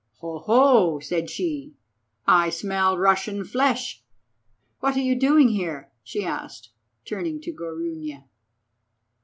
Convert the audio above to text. "Ho, ho!" said she, "I smell Russian flesh. What are you doing here?" she asked, turning to Gorunia.